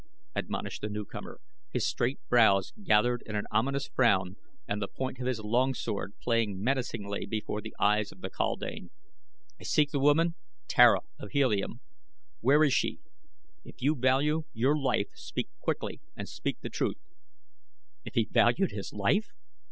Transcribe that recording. admonished the newcomer, his straight brows gathered in an ominous frown and the point of his longsword playing menacingly before the eyes of the kaldane. "I seek the woman, Tara of Helium. Where is she? If you value your life speak quickly and speak the truth." If he valued his life!